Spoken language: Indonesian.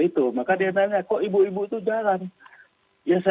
di australia memang beku kuranguhu udah mers countries